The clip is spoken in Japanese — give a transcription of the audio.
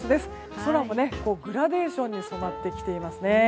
空もグラデーションに染まってきていますね。